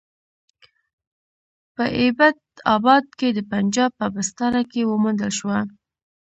په ایبټ اباد کې د پنجاب په بستره کې وموندل شوه.